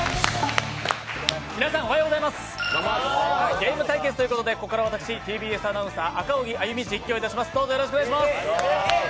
ゲーム対決ということでここから私、ＴＢＳアナウンサー・赤荻歩、実況いたします。